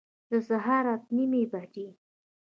د سهار اته نیمي بجي